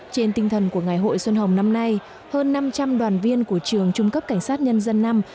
trên tinh thần của ngày hội xuân hồng năm nay hơn năm trăm linh đoàn viên của trường trung cấp cảnh sát nhân dân năm